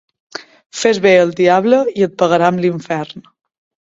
Fes bé al diable i et pagarà amb l'infern.